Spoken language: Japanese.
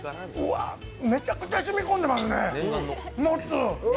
めちゃくちゃ染みこんでますね、もつ！